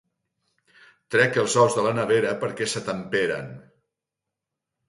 Trec els ous de la nevera perquè s'atemperen.